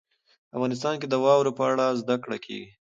افغانستان کې د واوره په اړه زده کړه کېږي.